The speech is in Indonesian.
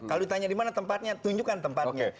kalau ditanya di mana tempatnya tunjukkan tempatnya